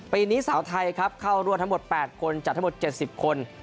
ปีนี้สาวไทยครับเข้ารวดทั้งหมด๘คนจัดทั้งหมด๗๐คน